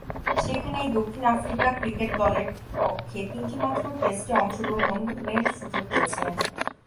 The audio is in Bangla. সেখানেই দক্ষিণ আফ্রিকা ক্রিকেট দলের পক্ষে তিনটিমাত্র টেস্টে অংশগ্রহণের সুযোগ পেয়েছিলেন।